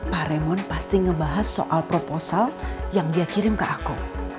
paremon pasti ngebahas soal proposal yang dia kirim ke aku